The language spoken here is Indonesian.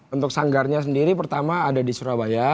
untuk sanggarnya sendiri pertama ada di surabaya